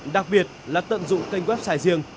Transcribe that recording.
đặc biệt là tận dụng kênh website riêng